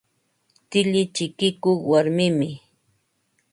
Tilli chikikuq warmimi.